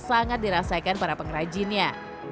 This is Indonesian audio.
sangat dirasaikan para pengrajinnya